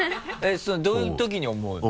どういうときに思うの？